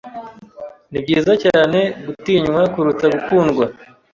Ni byiza cyane gutinywa kuruta gukundwa.